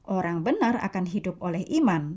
orang benar akan hidup oleh iman